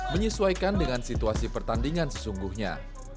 menyesuaikan dengan situasi pertandingan sesungguhnya